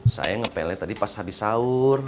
saya ngepele tadi pas habis sahur